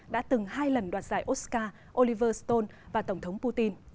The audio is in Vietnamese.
đã từng hai lần đoạt giải oscar oliver stone và tổng thống putin